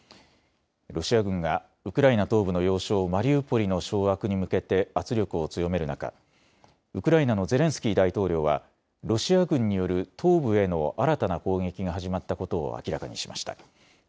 ロシア軍がウクライナ東部の要衝マリウポリの掌握に向けて圧力を強める中、ウクライナのゼレンスキー大統領はロシア軍による東部への新たな攻撃が始まったことを明らかにしました。